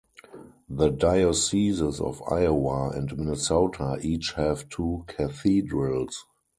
The dioceses of Iowa and Minnesota each have two cathedrals.